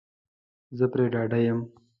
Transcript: زه پری ډاډه یم